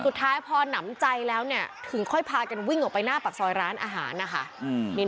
สุดท้ายพอหนำใจแล้วเนี่ยถึงค่อยพากันวิ่งออกไปหน้าปากซอยร้านอาหารนะคะ